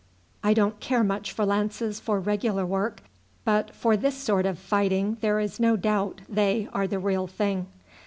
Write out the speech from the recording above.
I don't care much for lances for regular work, but for this sort of fighting there is no doubt they are the real thing.